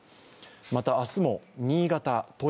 また、明日も新潟、富山、